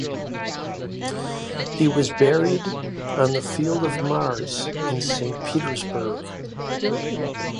He was buried on the Field of Mars in Saint Petersburg.